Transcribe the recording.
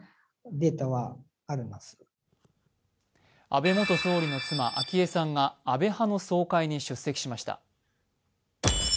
安倍元総理の妻・昭恵さんが安倍派の集会に参加しました。